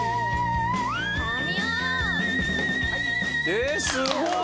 えーっすごい！